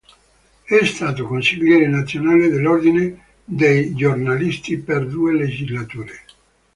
È stato Consigliere nazionale dell'Ordine dei Giornalisti per due legislature.